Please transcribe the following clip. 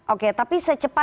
oke tapi secepat cepat